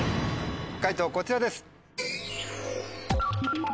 解答こちらです。